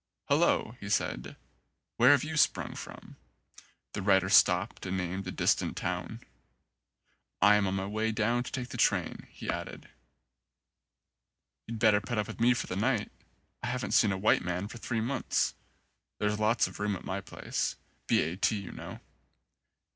"Hulloa," he said, "where have you sprung from?" The rider stopped and named a distant town. "I am on my way down to take the train," he added. "You'd better put up with me for the night. I haven't seen a white man for three months. There's lots of room at my place. B. A. T. you know."